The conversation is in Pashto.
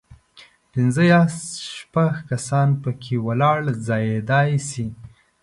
پنځه یا شپږ کسان په کې ولاړ ځایېدای شي.